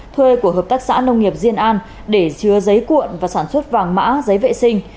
thuê của hợp tác xã nông nghiệp diên an để chứa giấy cuộn và sản xuất vàng mã giấy vệ sinh